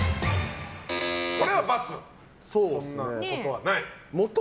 これは×、そんなことないと。